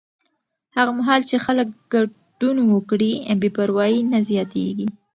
هغه مهال چې خلک ګډون وکړي، بې پروایي نه زیاتېږي.